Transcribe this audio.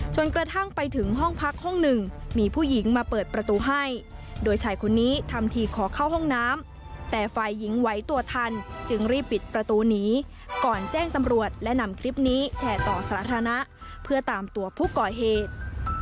กระทั่งไปถึงห้องพักห้องหนึ่งมีผู้หญิงมาเปิดประตูให้โดยชายคนนี้ทำทีขอเข้าห้องน้ำแต่ฝ่ายหญิงไหวตัวทันจึงรีบปิดประตูหนีก่อนแจ้งตำรวจและนำคลิปนี้แชร์ต่อสาธารณะเพื่อตามตัวผู้ก่อเหตุ